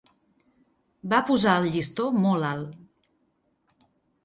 Va posar el llistó molt alt.